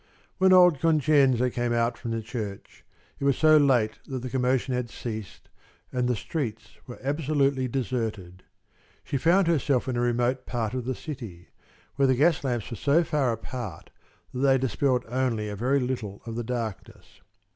When old Concenza came out from the church, it was so late that the commotion had ceased and the streets were absolutely deserted. She found herself in a remote part of the city, where the gas lamps were so far apart that they dispelled only a very little of the darkness.